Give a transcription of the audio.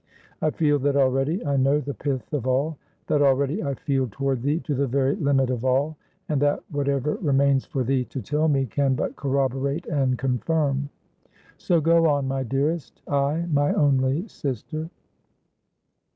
I feel that already I know the pith of all; that already I feel toward thee to the very limit of all; and that, whatever remains for thee to tell me, can but corroborate and confirm. So go on, my dearest, ay, my only sister."